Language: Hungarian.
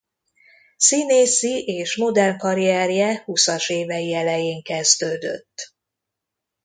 Színészi és modell karrierje húszas évei elején kezdődött.